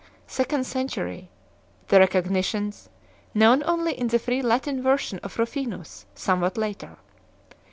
second century, the Recognitions, known only in the free Latin version of Ruffinus, somewhat later.